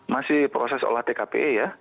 masih proses olah tkp ya